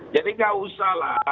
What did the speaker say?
jadi gak usah lah